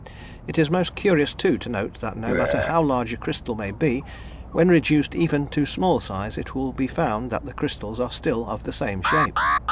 It is most curious, too, to note that no matter how large a crystal may be, when reduced even to small size it will be found that the crystals are still of the same shape.